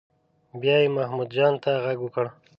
بیا یې محمود جان ته غږ وکړ.